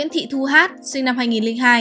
thu hát sinh năm hai nghìn hai